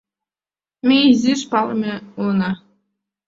Ме изиш палыме улына.